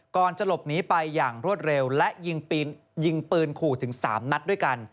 ก่อนจะหลบหนีไปอย่างรวดเร็วและยิงปืนขู่ถึง๓นัดด้วยกัน